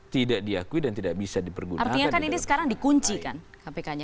tidak diakui dan tidak bisa dipergunakan